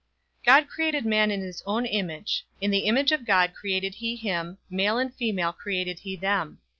God created man in his own image, in the image of God created he him, male and female created he them.